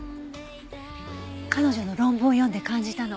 彼女の論文を読んで感じたの。